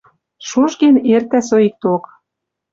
Шужген эртӓ соикток.